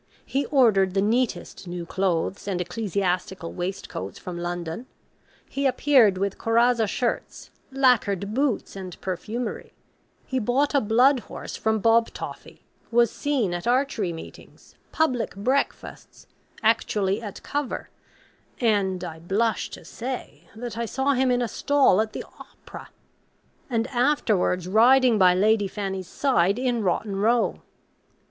He ordered the neatest new clothes and ecclesiastical waistcoats from London; he appeared with corazza shirts, lackered boots, and perfumery; he bought a blood horse from Bob Toffy: was seen at archery meetings, public breakfasts, actually at cover; and, I blush to say, that I saw him in a stall at the Opera; and afterwards riding by Lady Fanny's side in Rotten Row.